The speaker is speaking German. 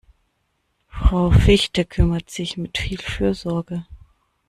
Frau Fichte kümmert sich mit viel Fürsorge.